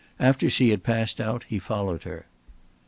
After she had passed out he followed her.